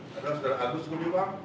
karena sudah ada agus kunjubang